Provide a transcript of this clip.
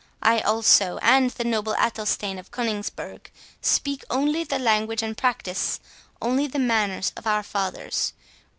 I also, and the noble Athelstane of Coningsburgh, speak only the language, and practise only the manners, of our fathers.